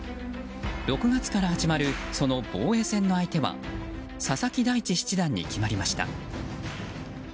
６月から始まるその防衛戦の相手は佐々木大地七段に決まりました。